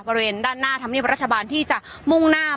ประเวณด้านหน้าทำให้รัฐบาลที่จะมุ่งหน้า